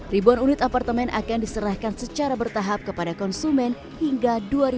ribuan unit apartemen akan diserahkan secara bertahap kepada konsumen hingga dua ribu dua puluh